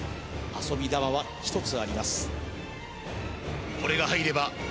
遊び球は１つあります